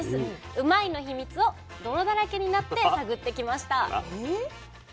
うまいッ！の秘密を泥だらけになって探ってきました。